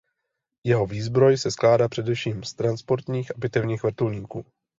Jeho výzbroj se skládá především z transportních a bitevních vrtulníků.